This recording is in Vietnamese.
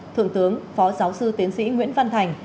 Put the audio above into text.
thượng tướng phó giáo sư tiến sĩ nguyễn văn thành